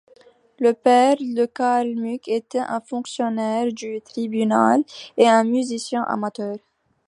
Le père de Karl Muck était un fonctionnaire du tribunal et un musicien amateur.